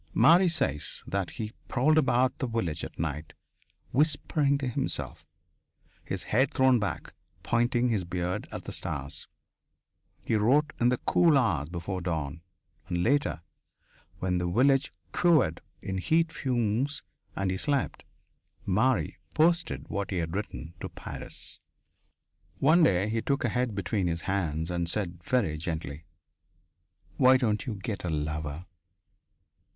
Marie says that he prowled about the village at night, whispering to himself, his head thrown back, pointing his beard at the stars. He wrote in the cool hours before dawn, and later, when the village quivered in heat fumes and he slept, Marie posted what he had written to Paris. One day he took her head between his hands and said very gently: "Why don't you get a lover?